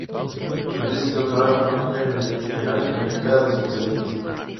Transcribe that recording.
Su tesis doctoral fue "La mujer en el Derecho penal", calificada de sobresaliente.